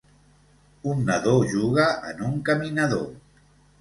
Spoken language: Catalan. Un nadó juga en un caminador